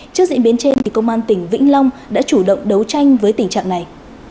trước diễn biến trên công an tỉnh vĩnh long đã chủ động đấu tranh với tình trạng này